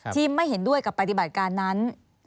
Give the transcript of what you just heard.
ไม่เห็นด้วยกับปฏิบัติการนั้น